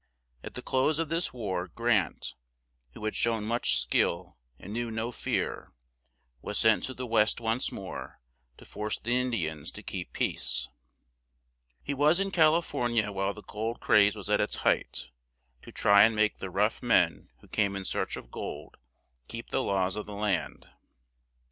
At the close of this war Grant, who had shown much skill, and knew no fear, was sent to the West once more to force the In di ans to keep peace. [Illustration: ULYSSES S. GRANT.] He was in Cal i for ni a while the gold craze was at its height, to try and make the rough men who came in search of gold keep the laws of the land.